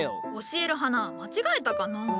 教える花間違えたかのう。